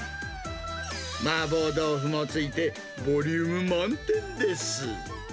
マーボー豆腐もついてボリューム満点です。